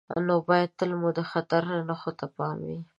نو باید تل مو د خطر نښو ته پام وي.